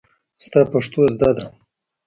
ستا پښتو زده ده.